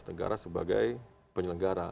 negara sebagai penyelenggara